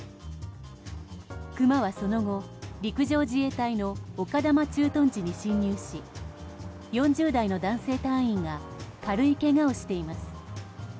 クマはその後陸上自衛隊の丘珠駐屯地に侵入し４０代の男性隊員が軽いけがをしています。